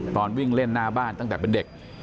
ตอนวิ่งเล่นหน้าบ้านตั้งแต่เป็นเด็ก